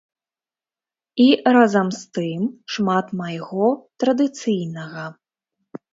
І, разам з тым, шмат майго традыцыйнага.